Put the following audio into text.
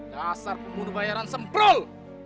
dasar pengunduh bayaran semprul